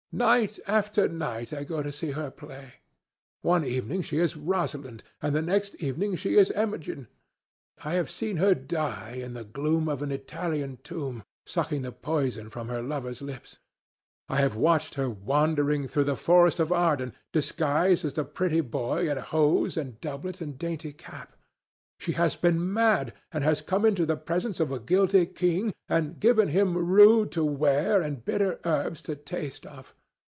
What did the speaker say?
Night after night I go to see her play. One evening she is Rosalind, and the next evening she is Imogen. I have seen her die in the gloom of an Italian tomb, sucking the poison from her lover's lips. I have watched her wandering through the forest of Arden, disguised as a pretty boy in hose and doublet and dainty cap. She has been mad, and has come into the presence of a guilty king, and given him rue to wear and bitter herbs to taste of.